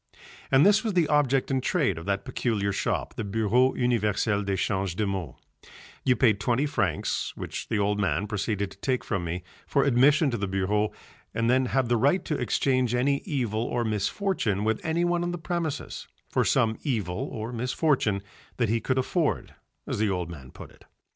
And this was the object and trade of that peculiar shop, the Bureau Universel d'Echange de Maux: you paid twenty francs, which the old man proceeded to take from me, for admission to the bureau and then had the right to exchange any evil or misfortune with anyone on the premises for some evil or misfortune that he "could afford," as the old man put it.